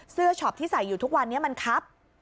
ช็อปที่ใส่อยู่ทุกวันนี้มันครับ